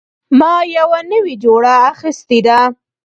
ما یوه نوې جوړه اخیستې ده